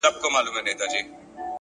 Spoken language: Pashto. نیکي د وخت له تېرېدو نه زړېږي